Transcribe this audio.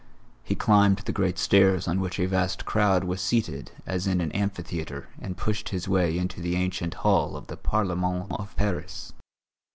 He climbed the great stairs on which a vast crowd was seated as in an amphitheatre and pushed his way into the ancient Hall of the Parlement of Paris.